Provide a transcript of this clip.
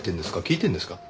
聞いてるんですか？